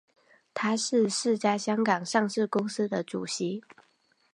他是四家香港上市公司的主席。